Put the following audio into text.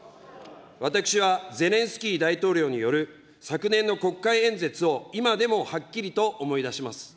私はゼレンスキー大統領による昨年の国会演説を、今でもはっきりと思い出します。